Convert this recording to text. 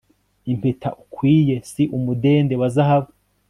impeta ukwiye si umudende wazahabu